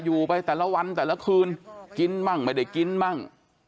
อยู่ไปแต่ละวันแต่ละคืนกินมั่งไม่ได้กินมั่ง